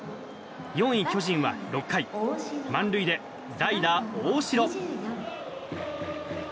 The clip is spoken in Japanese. ４位、巨人は６回満塁で代打、大城。